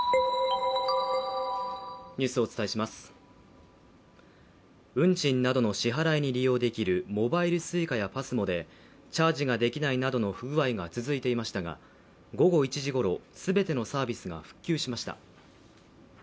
新「ＥＬＩＸＩＲ」運賃などの支払いに利用できるモバイルＳｕｉｃａやＰＡＳＭＯでチャージができないなどの不具合が続いていましたが、午後１時ごろすべてのサービス復旧しました。